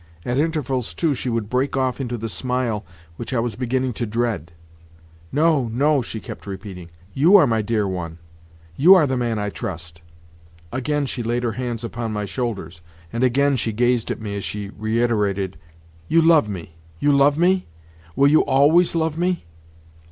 At intervals, too, she would break off into the smile which I was beginning to dread. "No, no!" she kept repeating. "You are my dear one; you are the man I trust." Again she laid her hands upon my shoulders, and again she gazed at me as she reiterated: "You love me, you love me? Will you always love me?"